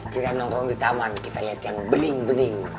kita nongkrong di taman kita liat yang bening bening